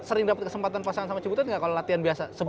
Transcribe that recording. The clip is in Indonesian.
sering dapat kesempatan pasangan sama cibutet nggak kalau latihan biasa